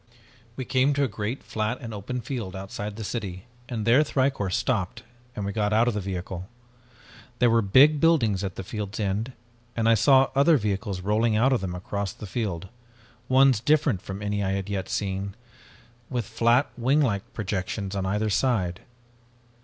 "We came to a great flat and open field outside the city and there Thicourt stopped and we got out of the vehicle. There were big buildings at the field's end, and I saw other vehicles rolling out of them across the field, ones different from any I had yet seen, with flat winglike projections on either side.